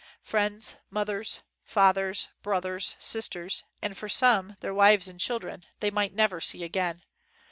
Friends, mothers, fathers, brothers, sisters, and, for some, their wives and children, they might never see again.